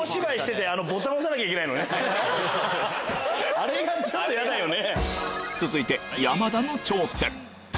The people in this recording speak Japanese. あれがちょっと嫌だよね。